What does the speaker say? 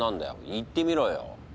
言ってみろよ。